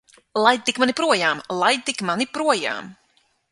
Laid tik mani projām! Laid tik mani projām!